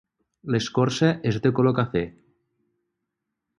L'escorça és de color cafè.